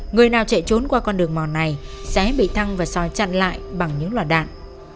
người nào chạy trốn qua con đường mòn này sẽ bị thăng và soi chặn lại bằng những loạt đạn